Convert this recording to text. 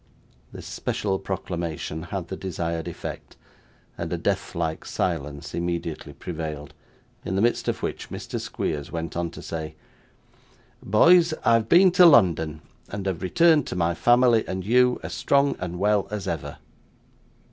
This special proclamation had the desired effect, and a deathlike silence immediately prevailed, in the midst of which Mr. Squeers went on to say: 'Boys, I've been to London, and have returned to my family and you, as strong and well as ever.